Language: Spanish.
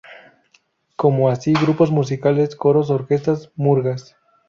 Como así grupos musicales, coros, orquestas, murgas.